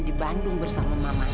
di bandung bersama mamanya